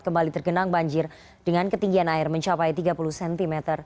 kembali tergenang banjir dengan ketinggian air mencapai tiga puluh cm